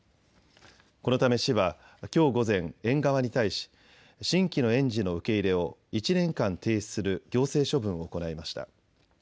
このため市はきょう午前、園側に対し新規の園児の受け入れを１年間停止する行政処分を行いました。